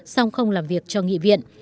song không làm việc cho nghị viện